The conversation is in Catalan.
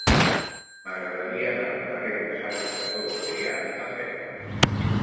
M'agradaria anar al carrer de Santa Dorotea a peu.